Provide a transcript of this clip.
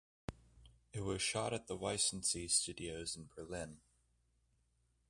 It was shot at the Weissensee Studios in Berlin.